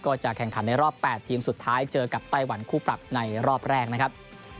จะแข่งขันในรอบ๘ทีมสุดท้ายเจอกับไต้หวันคู่ปรับในรอบแรกนะครับ